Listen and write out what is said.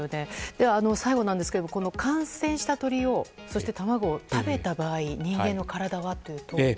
最後なんですが感染した鶏と卵を食べた場合、人間の体はというと。